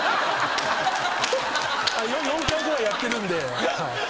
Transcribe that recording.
４回ぐらいやってるんで。